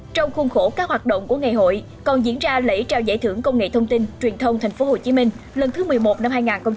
trong khuôn khổ các hoạt động của ngày hội còn diễn ra lễ trao giải thưởng công nghệ thông tin truyền thông tp hcm lần thứ một mươi một năm hai nghìn hai mươi